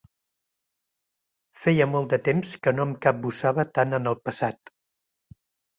Feia molt de temps que no em capbussava tant en el passat.